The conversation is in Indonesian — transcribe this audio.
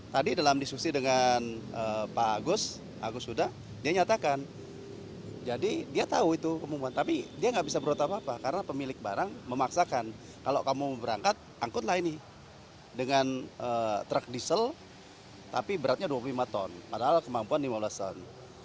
tadi dalam diskusi dengan pak agus agus huda dia nyatakan jadi dia tahu itu kemampuan tapi dia nggak bisa berat apa apa karena pemilik barang memaksakan kalau kamu berangkat angkutlah ini dengan truk diesel tapi beratnya dua puluh lima ton padahal kemampuan lima belas ton